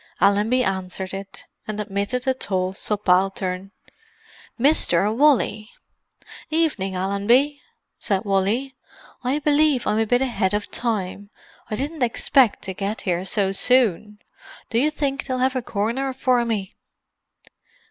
Allenby answered it, and admitted a tall subaltern. "Mr. Wally!" "Evening, Allenby," said Wally. "I believe I'm a bit ahead of time—I didn't expect to get here so soon. Do you think they'll have a corner for me?"